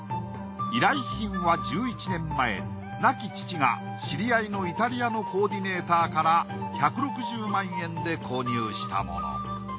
依頼品は１１年前亡き父が知り合いのイタリアのコーディネーターから１６０万円で購入したもの。